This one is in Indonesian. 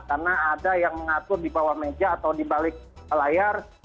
karena ada yang mengatur di bawah meja atau di balik layar